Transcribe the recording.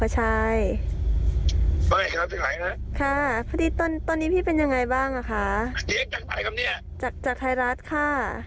จากไทยรัฐค่ะ